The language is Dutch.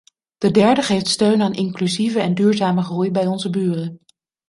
De derde geeft steun aan inclusieve en duurzame groei bij onze buren.